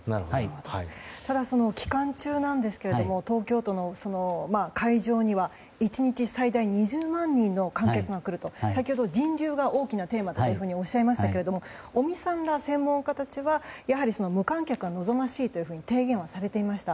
ただ、期間中なんですが東京都の会場には１日最大２０万人の観客が来ると先ほど人流が大きなテーマとおっしゃいましたが尾身さんら専門家たちはやはり無観客が望ましいと提言をされていました。